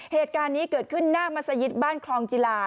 เหตุการณ์นี้เกิดขึ้นหน้ามัศยิตบ้านคลองจิลา